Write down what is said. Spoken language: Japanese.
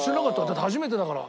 だって初めてだから。